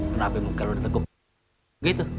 kenapa muka lo udah teguk